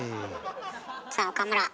さあ岡村。